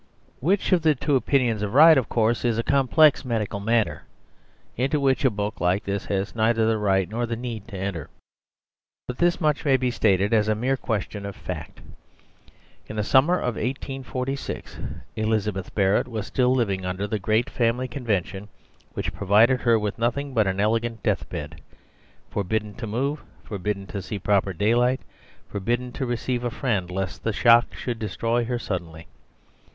Which of the two opinions was right is of course a complex medical matter into which a book like this has neither the right nor the need to enter. But this much may be stated as a mere question of fact. In the summer of 1846 Elizabeth Barrett was still living under the great family convention which provided her with nothing but an elegant deathbed, forbidden to move, forbidden to see proper daylight, forbidden to receive a friend lest the shock should destroy her suddenly.